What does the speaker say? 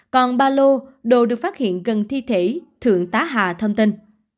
còn ba lô đồ được phát hiện gần thi thể thượng tá hà thông tin